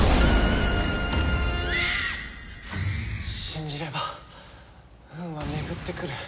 信じれば運は巡ってくる。